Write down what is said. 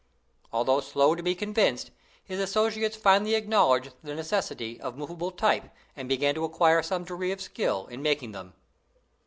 Although slow to be convinced, his associates finally acknowledged the necessity of movable type and began to acquire some degree of skill in making them.